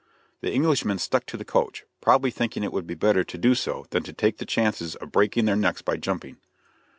The Englishmen stuck to the coach, probably thinking it would be better to do so than to take the chances of breaking their necks by jumping.